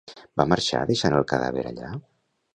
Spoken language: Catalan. Va marxar deixant el cadàver allà?